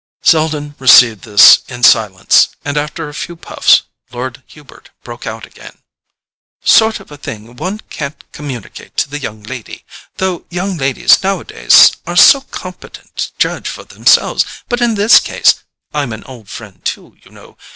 Selden received this in silence, and after a few puffs Lord Hubert broke out again: "Sort of thing one can't communicate to the young lady—though young ladies nowadays are so competent to judge for themselves; but in this case—I'm an old friend too, you know